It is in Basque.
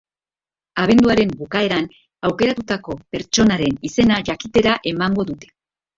Abenduaren bukaeran, aukeratutako pertsonaren izena jakitera emango dute.